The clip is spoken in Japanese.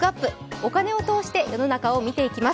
お金を通して世の中を見ていきます。